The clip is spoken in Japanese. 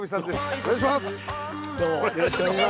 お願いします。